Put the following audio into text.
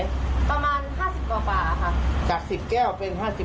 แล้ววันที่๓ก็คือช่วงนั้นจะมีคังกูไบดังอยู่